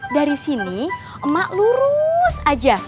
dari sini emak lurus aja